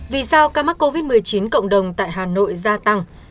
vì sao ca mắc covid một mươi chín cộng đồng tại hà nội gia tăng